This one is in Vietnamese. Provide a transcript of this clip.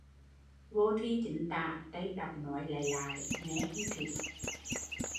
Vô thi chính tả, Tây đọc nói lại lại, nghe không kịp